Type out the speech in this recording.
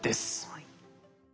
はい。